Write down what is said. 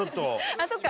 あっそっか。